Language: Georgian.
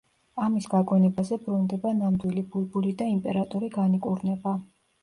ამის გაგონებაზე ბრუნდება ნამდვილი ბულბული და იმპერატორი განიკურნება.